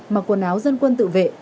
mặc quần áo dân quân tự vệ